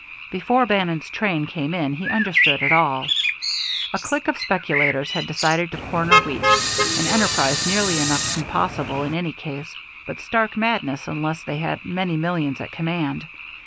Before Bannon's train came in he understood it all. A clique of speculators had decided to corner wheat, an enterprise nearly enough impossible in any case, but stark madness unless they had many millions at command.